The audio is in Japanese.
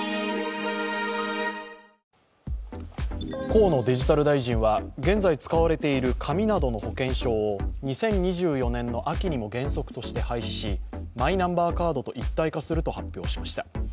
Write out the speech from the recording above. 河野デジタル大臣は現在使われている紙などの保険証を２０２４年の秋にも原則として廃止し、マイナンバーカードと一体化すると発表しました。